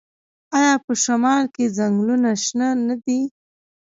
آیا په شمال کې ځنګلونه شنه نه دي؟